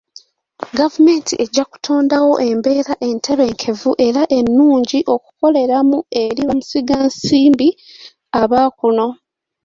Gavumenti ejja kutondawo embeera entebenkevu era ennungi okukoleramu eri bamusigansimbi aba kuno.